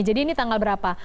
jadi ini tanggal berapa